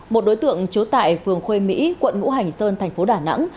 một đối tượng trú tại phường khuê mỹ quận ngũ hành sơn thành phố đà nẵng